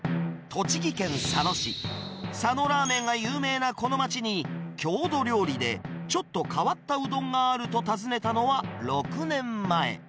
栃木県佐野市、佐野ラーメンが有名なこの街に、郷土料理でちょっと変わったうどんがあると訪ねたのは６年前。